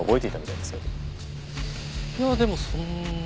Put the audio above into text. いやでもそんな。